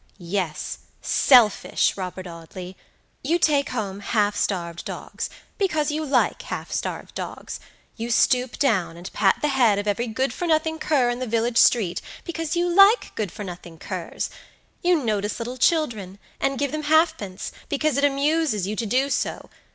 "Yes, selfish, Robert Audley! You take home half starved dogs, because you like half starved dogs. You stoop down, and pat the head of every good for nothing cur in the village street, because you like good for nothing curs. You notice little children, and give them halfpence, because it amuses you to do so.